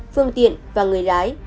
phương tiện và người lái